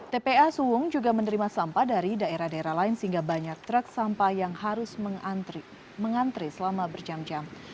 tpa suwung juga menerima sampah dari daerah daerah lain sehingga banyak truk sampah yang harus mengantre selama berjam jam